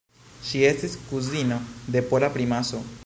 Ŝi estis kuzino de pola primaso.